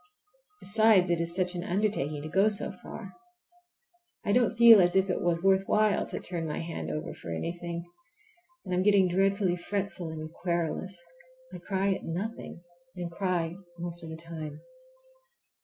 Besides, it is such an undertaking to go so far. I don't feel as if it was worth while to turn my hand over for anything, and I'm getting dreadfully fretful and querulous. I cry at nothing, and cry most of the time.